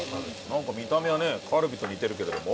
なんか見た目はねカルビと似てるけれども。